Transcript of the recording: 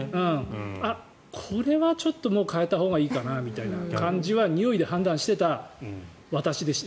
これはちょっと替えたほうがいいかなみたいな感じはにおいで判断していた私でした。